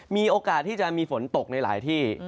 มีโอกาสที่จะมีฝนตกในหลายที่